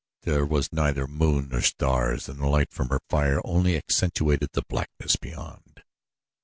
There was neither moon nor stars and the light from her fire only accentuated the blackness beyond.